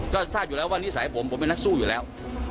ก็ทราบอยู่แล้วว่านิสัยผมผมเป็นนักสู้อยู่แล้ว